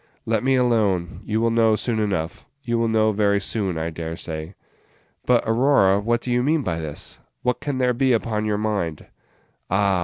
Let me alone; you will know soon enough you will know very soon, I dare say." "But, Aurora, what do you mean by this? What can there be upon your mind?" "Ah!